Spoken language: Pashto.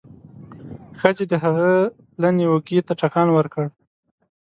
ښځې د هغه پلنې اوږې ته ټکان ورکړ.